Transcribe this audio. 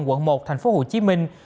quận một thành phố hồ chí minh